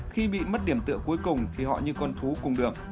khi bị mất điểm tựa cuối cùng thì họ như con thú cùng được